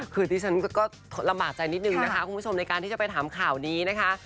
คือที่ฉันก็ลำบากใจนิดนึงนะคะคุณผู้ชมในการที่จะไปถามข่าวนี้นะคะ